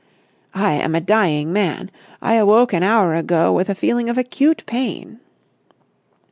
"I am a dying man. I awoke an hour ago with a feeling of acute pain...."